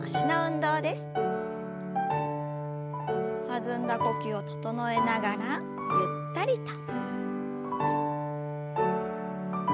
弾んだ呼吸を整えながらゆったりと。